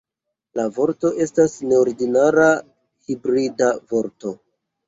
La vorto estas neordinara hibrida vorto.